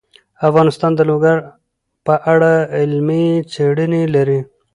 افغانستان د لوگر په اړه علمي څېړنې لري.